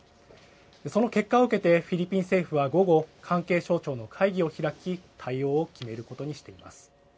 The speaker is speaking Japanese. その結果を受けて、フィリピン政府は午後、関係省庁の会議を開き、対応を決めることにしています。